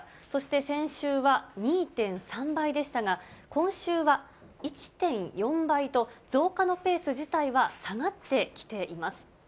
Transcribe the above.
そして先週は２．３倍でしたが、今週は１．４倍と、増加のペース自体は下がってきています。